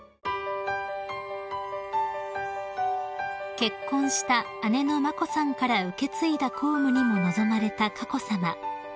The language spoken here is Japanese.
［結婚した姉の眞子さんから受け継いだ公務にも臨まれた佳子さま］